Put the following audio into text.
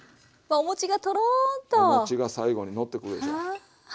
お餅が最後にのってくるでしょ。